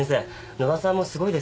野田さんもすごいですよ。